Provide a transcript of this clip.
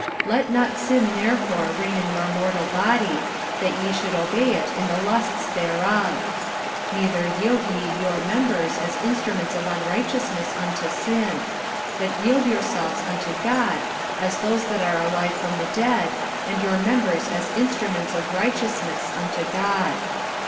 45:006:012 Let not sin therefore reign in your mortal body, that ye should obey it in the lusts thereof. 45:006:013 Neither yield ye your members as instruments of unrighteousness unto sin: but yield yourselves unto God, as those that are alive from the dead, and your members as instruments of righteousness unto God.